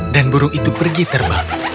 dan burung itu pergi terbang